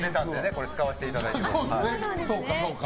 これを使わせていただいて。